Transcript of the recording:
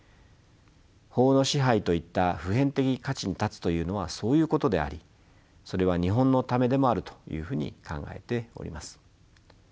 法の支配といった普遍的価値に立つというのはそういうことでありそれは日本のためでもあるというふうに考えております。